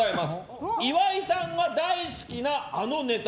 岩井さんが大好きなあのネタ。